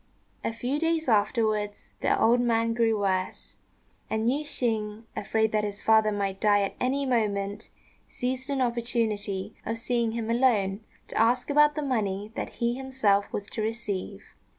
A few days afterwards the old man grew worse, and Yüeh shêng, afraid that his father might die at any moment, seized an opportunity of seeing him alone to ask about the money that he himself was to receive.